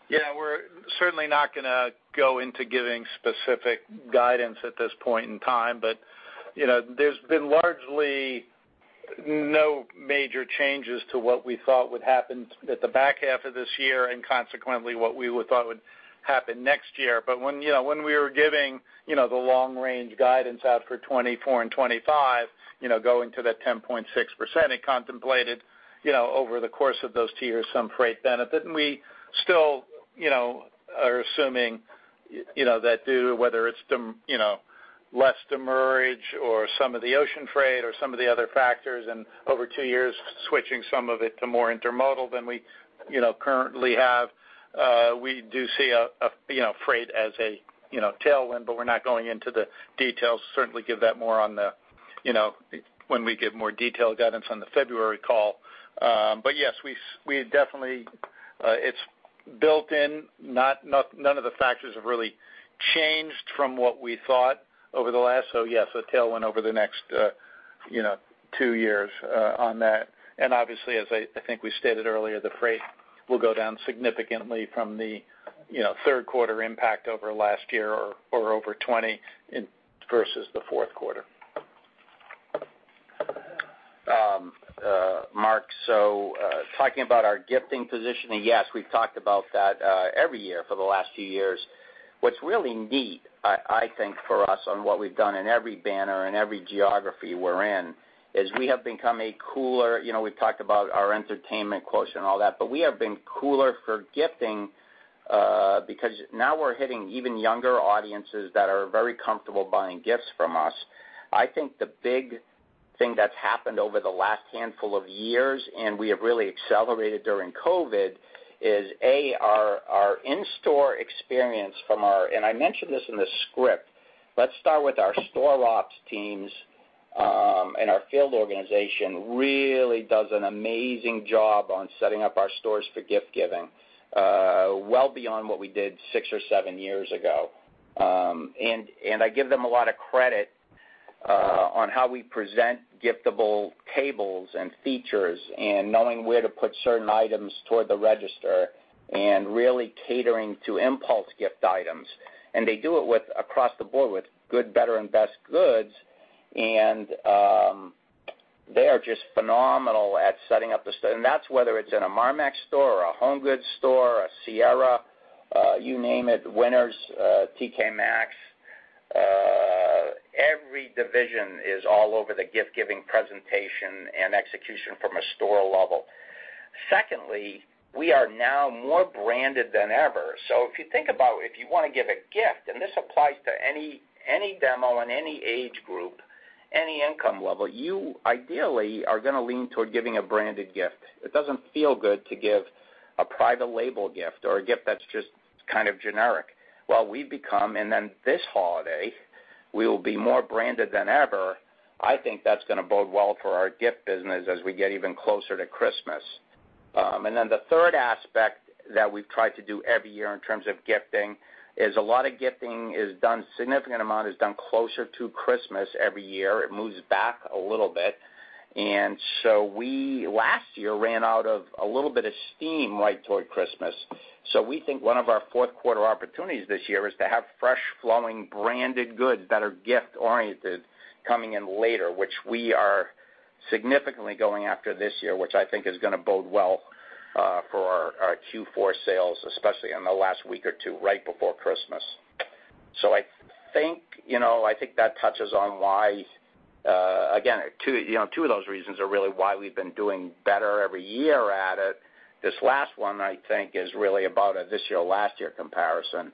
Yeah, we're certainly not gonna go into giving specific guidance at this point in time, but, you know, there's been largely no major changes to what we thought would happen at the back half of this year and consequently what we would thought would happen next year. When, you know, when we were giving, you know, the long range guidance out for 2024 and 2025, you know, going to that 10.6%, it contemplated, you know, over the course of those two years, some freight benefit. We still, you know, are assuming, you know, that due to whether it's you know, less demurrage or some of the ocean freight or some of the other factors and over two years switching some of it to more intermodal than we, you know, currently have, we do see a you know, freight as a you know, tailwind, but we're not going into the details. Certainly give that more on the, you know, when we give more detailed guidance on the February call. Yes, we definitely, it's built in. None of the factors have really changed from what we thought over the last. Yes, a tailwind over the next, you know, two years, on that. Obviously, as I think we stated earlier, the freight will go down significantly from the, you know, third quarter impact over last year or over 2020 versus the fourth quarter. Mark, talking about our gifting positioning, yes, we've talked about that every year for the last few years. What's really neat, I think for us on what we've done in every banner and every geography we're in is we have become a cooler. You know, we've talked about our entertainment quotient and all that, but we have been cooler for gifting because now we're hitting even younger audiences that are very comfortable buying gifts from us. I think the big thing that's happened over the last handful of years, and we have really accelerated during COVID, is A, our in-store experience from our. I mentioned this in the script. Let's start with our store ops teams and our field organization really does an amazing job on setting up our stores for gift giving, well beyond what we did six or seven years ago. I give them a lot of credit on how we present giftable tables and features and knowing where to put certain items toward the register and really catering to impulse gift items. They do it across the board with good, better, and best goods. They are just phenomenal at setting up, and that's whether it's in a Marmaxx store or a HomeGoods store, a Sierra, you name it, Winners, TK Maxx. Every division is all over the gift giving presentation and execution from a store level. Secondly, we are now more branded than ever. If you think about if you wanna give a gift, and this applies to any demo in any age group, any income level, you ideally are gonna lean toward giving a branded gift. It doesn't feel good to give a private label gift or a gift that's just kind of generic. Well, and then this holiday, we will be more branded than ever. I think that's gonna bode well for our gift business as we get even closer to Christmas. The third aspect that we've tried to do every year in terms of gifting is a significant amount is done closer to Christmas every year. It moves back a little bit. We last year ran out of a little bit of steam right toward Christmas. We think one of our fourth quarter opportunities this year is to have fresh flowing branded goods that are gift oriented coming in later, which we are significantly going after this year, which I think is gonna bode well for our Q4 sales, especially in the last week or two right before Christmas. I think, you know, I think that touches on why, again, two of those reasons are really why we've been doing better every year at it. This last one I think is really about a this year, last year comparison.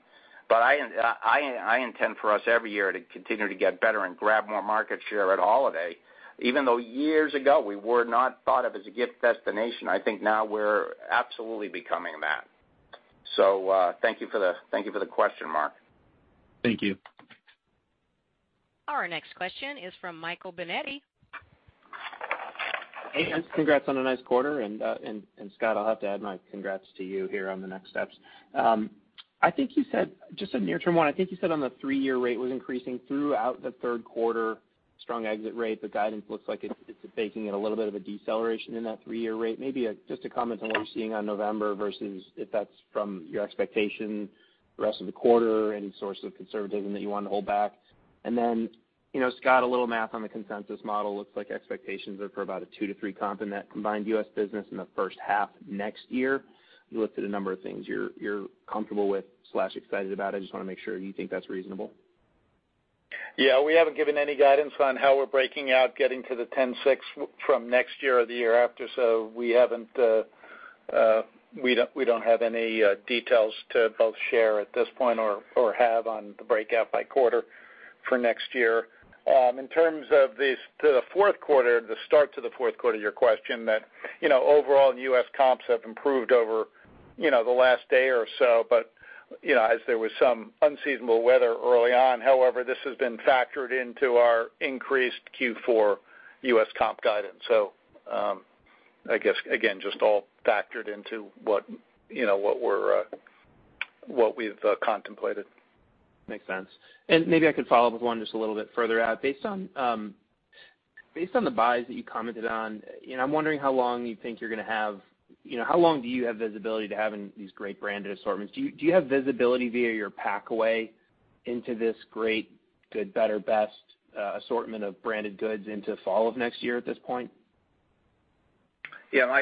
I intend for us every year to continue to get better and grab more market share at holiday. Even though years ago we were not thought of as a gift destination, I think now we're absolutely becoming that. Thank you for the question, Mark. Thank you. Our next question is from Michael Binetti. Hey, guys. Congrats on a nice quarter. Scott, I'll have to add my congrats to you here on the next steps. I think you said just on near term one on the three-year rate was increasing throughout the third quarter, strong exit rate. The guidance looks like it's baking in a little bit of a deceleration in that three-year rate. Maybe just to comment on what you're seeing on November versus your expectation for the rest of the quarter and source of conservatism that you wanna hold back. You know, Scott, a little math on the consensus model looks like expectations are for about a 2%-3% comp in that combined US business in the first half next year. You listed a number of things you're comfortable with slash excited about. I just wanna make sure you think that's reasonable. Yeah. We haven't given any guidance on how we're breaking out getting to the 10.6% from next year or the year after. We don't have any details to share at this point or have on the breakout by quarter for next year. In terms of the fourth quarter, the start of the fourth quarter, your question that, you know, overall US comps have improved over, you know, the last day or so. You know, as there was some unseasonable weather early on, however, this has been factored into our increased Q4 US comp guidance. I guess, again, just all factored into what, you know, what we've contemplated. Makes sense. Maybe I could follow up with one just a little bit further out. Based on the buys that you commented on, you know, I'm wondering how long you think you're gonna have. You know, how long do you have visibility to having these great branded assortments? Do you have visibility via your pack away into this great good, better, best, assortment of branded goods into fall of next year at this point? Yeah,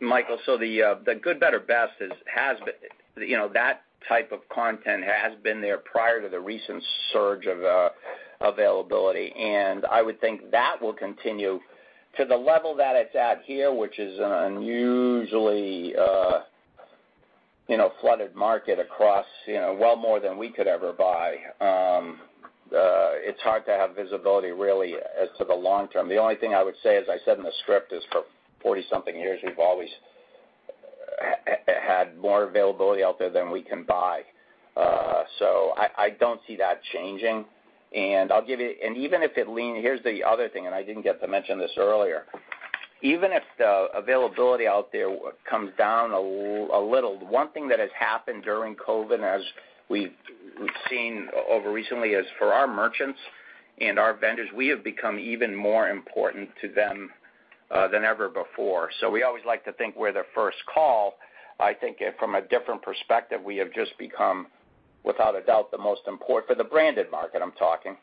Michael, so the good, better, best is, has been. You know, that type of content has been there prior to the recent surge of availability. I would think that will continue to the level that it's at here, which is an unusually, you know, flooded market across, you know, way more than we could ever buy. It's hard to have visibility really as to the long term. The only thing I would say, as I said in the script, is for 40-something years, we've always had more availability out there than we can buy. So I don't see that changing. Here's the other thing, and I didn't get to mention this earlier. Even if the availability out there comes down a little, one thing that has happened during COVID, as we've seen recently, is for our merchants and our vendors, we have become even more important to them than ever before. We always like to think we're their first call. I think from a different perspective, we have just become, without a doubt. For the branded market, I'm talking.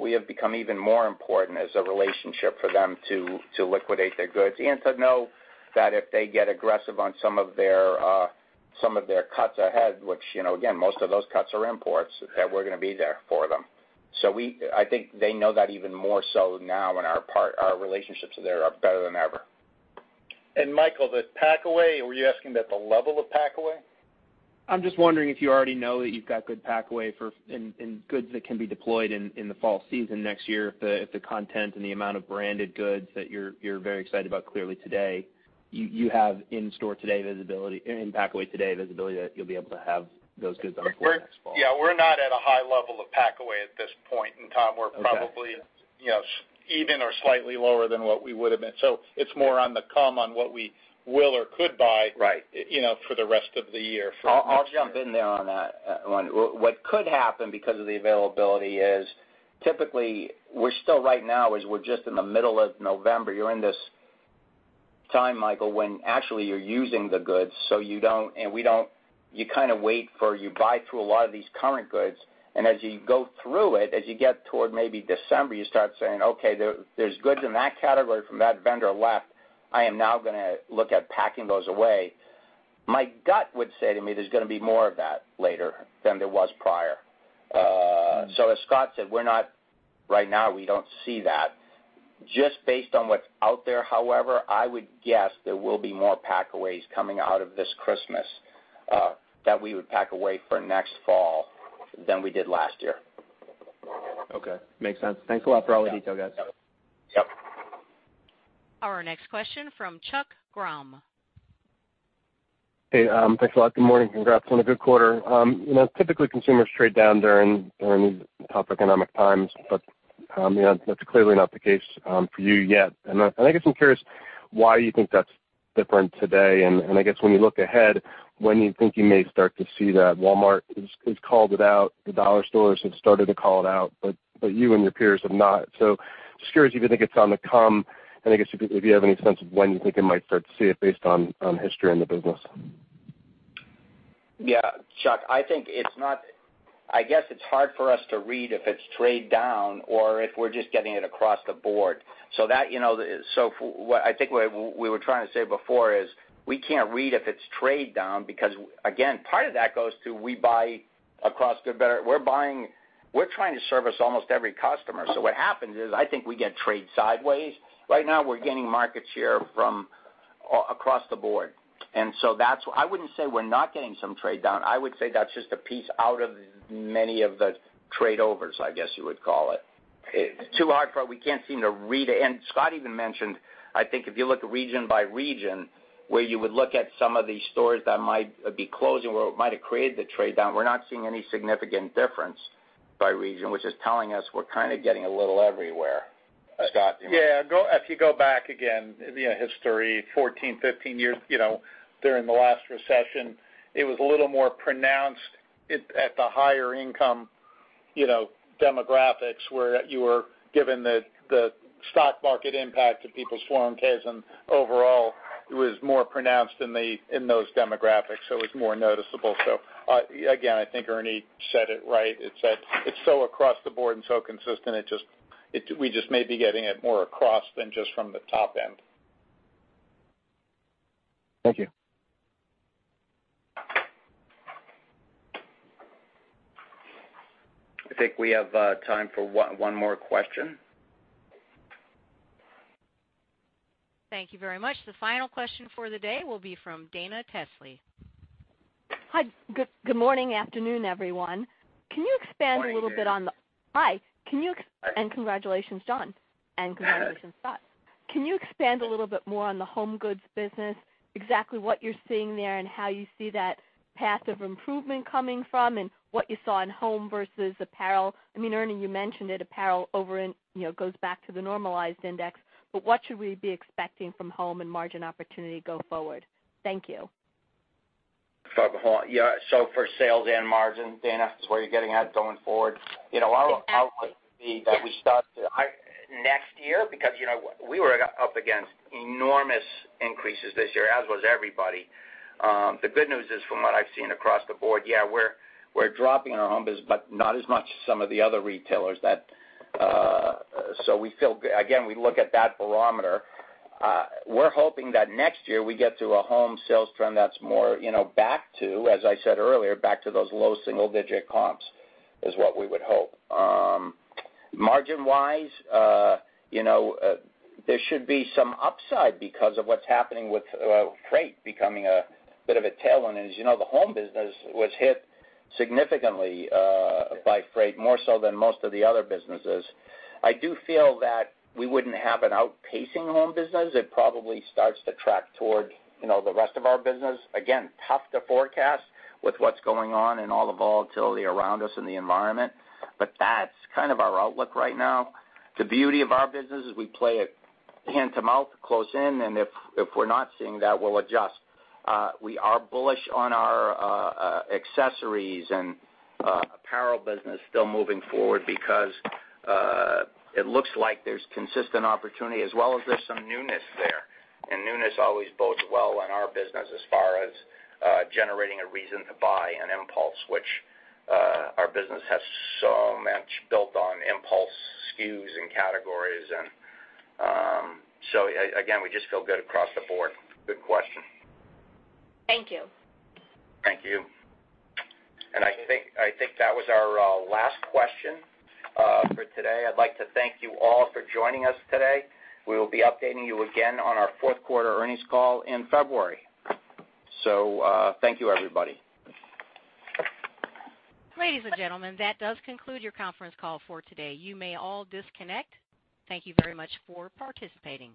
We have become even more important as a relationship for them to liquidate their goods and to know that if they get aggressive on some of their cuts ahead, which you know, again, most of those cuts are imports, that we're gonna be there for them. I think they know that even more so now and on our part, our relationships there are better than ever. Michael, the packaway, were you asking about the level of packaway? I'm just wondering if you already know that you've got good packaway for HomeGoods that can be deployed in the fall season next year, if the content and the amount of branded goods that you're very excited about clearly today, you have in-store today visibility in packaway today visibility that you'll be able to have those goods on the floor next fall. Yeah, we're not at a high level of packaway at this point in time. Okay. We're probably, you know, even or slightly lower than what we would have been. It's more on the come, on what we will or could buy. Right. You know, for the rest of the year for next year. I'll jump in there on that one. What could happen because of the availability is typically we're still right now. We're just in the middle of November. You're in this time, Michael, when actually you're using the goods, so you don't and we don't. You buy through a lot of these current goods, and as you go through it, as you get toward maybe December, you start saying, okay, there's goods in that category from that vendor left. I am now gonna look at packing those away. My gut would say to me, there's gonna be more of that later than there was prior. So as Scott said, right now, we don't see that. Just based on what's out there, however, I would guess there will be more packaways coming out of this Christmas that we would pack away for next fall than we did last year. Okay. Makes sense. Thanks a lot for all the detail, guys. Yep. Our next question from Chuck Grom. Hey, thanks a lot. Good morning. Congrats on a good quarter. You know, typically consumers trade down during these tough economic times, but you know, that's clearly not the case for you yet. I guess I'm curious why you think that's different today. I guess when you look ahead, when you think you may start to see that Walmart is called it out, the dollar stores have started to call it out, but you and your peers have not. Just curious if you think it's on the come, and I guess if you have any sense of when you think you might start to see it based on history in the business. Yeah, Chuck, I guess it's hard for us to read if it's trade down or if we're just getting it across the board. You know, what I think we were trying to say before is we can't read if it's trade down because again, part of that goes to we buy across the better. We're trying to service almost every customer. What happens is, I think we get trade sideways. Right now, we're gaining market share from across the board. That's why I wouldn't say we're not getting some trade down. I would say that's just a piece out of many of the trade overs, I guess you would call it. We can't seem to read it. Scott even mentioned, I think if you look region by region, where you would look at some of these stores that might be closing, where it might have created the trade down, we're not seeing any significant difference by region, which is telling us we're kind of getting a little everywhere. Scott, do you wanna? Yeah. If you go back again, you know, history, 14, 15 years, you know, during the last recession, it was a little more pronounced at the higher income, you know, demographics where you were given the stock market impact to people's 401(k)s. Overall, it was more pronounced in those demographics, so it was more noticeable. Again, I think Ernie said it right. It's that it's so across the board and so consistent, we just may be getting it more across than just from the top end. Thank you. I think we have time for one more question. Thank you very much. The final question for the day will be from Dana Telsey. Hi. Good morning, afternoon, everyone. Can you expand a little bit on the Morning, Dana. Hi. Congratulations, John, and congratulations, Scott. Can you expand a little bit more on the HomeGoods business? Exactly what you're seeing there and how you see that path of improvement coming from and what you saw in home versus apparel. I mean, Ernie, you mentioned it, apparel over in, you know, goes back to the normalized index. But what should we be expecting from home and margin opportunity go forward? Thank you. For home. Yeah, so for sales and margin, Dana, is where you're getting at going forward? You know, our would be that we start to next year, because, you know, we were up against enormous increases this year, as was everybody. The good news is from what I've seen across the board, yeah, we're dropping our home business, but not as much as some of the other retailers, so we feel good. Again, we look at that barometer. We're hoping that next year we get to a home sales trend that's more, you know, back to, as I said earlier, back to those low single-digit comps is what we would hope. Margin wise, you know, there should be some upside because of what's happening with freight becoming a bit of a tailwind. As you know, the home business was hit significantly by freight, more so than most of the other businesses. I do feel that we wouldn't have an outpacing home business. It probably starts to track toward, you know, the rest of our business. Again, tough to forecast with what's going on and all the volatility around us in the environment. But that's kind of our outlook right now. The beauty of our business is we play it hand-to-mouth, close in, and if we're not seeing that, we'll adjust. We are bullish on our accessories and apparel business still moving forward because it looks like there's consistent opportunity as well as there's some newness there. Newness always bodes well in our business as far as generating a reason to buy an impulse, which our business has so much built on impulse SKUs and categories. Again, we just feel good across the board. Good question. Thank you. Thank you. I think that was our last question for today. I'd like to thank you all for joining us today. We will be updating you again on our fourth quarter earnings call in February. Thank you, everybody. Ladies and gentlemen, that does conclude your conference call for today. You may all disconnect. Thank you very much for participating.